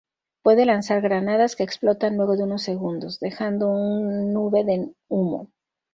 Puede lanzar granadas que explotan luego de unos segundos, dejando un nube de humo.